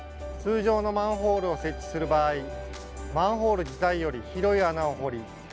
通常のマンホールを設置する場合マンホール自体より広い穴を掘り